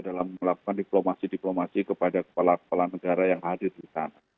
dalam melakukan diplomasi diplomasi kepada kepala kepala negara yang hadir di sana